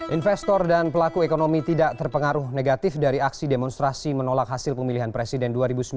investor dan pelaku ekonomi tidak terpengaruh negatif dari aksi demonstrasi menolak hasil pemilihan presiden dua ribu sembilan belas